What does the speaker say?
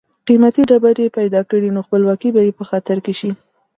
قیمتي ډبرې پیدا کړي نو خپلواکي به یې په خطر کې شي.